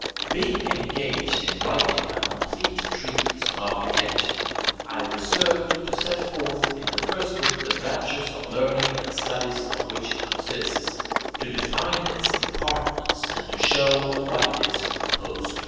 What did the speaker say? Being engaged in writing a complete treatise on architecture, I resolved to set forth in the first book the branches of learning and studies of which it consists, to define its departments, and to show of what it is composed.